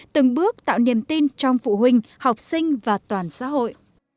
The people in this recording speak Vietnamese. từng bước tạo niềm tin trong phụ huynh học sinh và toàn xã hội